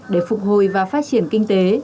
để phục hồi và phát triển kinh tế